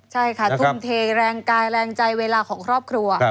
ใช่ค่ะทุ่มเทแรงกายแรงใจเวลาของครอบครัว